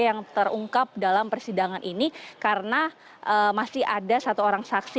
yang terungkap dalam persidangan ini karena masih ada satu orang saksi